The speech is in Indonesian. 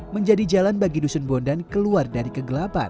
menjadi jalan bagi dusun bondan keluar dari kegelapan